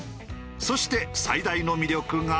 そして最大の魅力が。